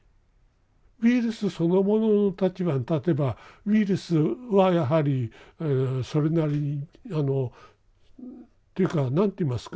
ウイルスそのものの立場に立てばウイルスはやはりそれなりにあのっていうか何て言いますか